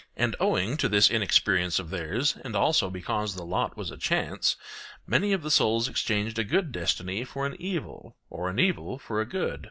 And owing to this inexperience of theirs, and also because the lot was a chance, many of the souls exchanged a good destiny for an evil or an evil for a good.